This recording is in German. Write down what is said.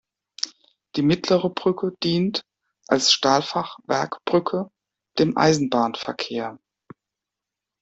Die mittlere Brücke dient als Stahlfachwerkbrücke dem Eisenbahnverkehr.